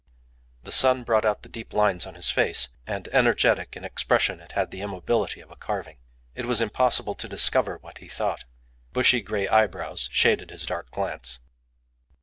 The sun brought out the deep lines on his face, and, energetic in expression, it had the immobility of a carving. It was impossible to discover what he thought. Bushy grey eyebrows shaded his dark glance.